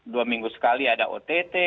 dua minggu sekali ada ott